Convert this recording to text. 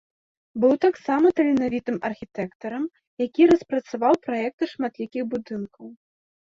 Быў таксама таленавітым архітэктарам, які распрацаваў праекты шматлікіх будынкаў.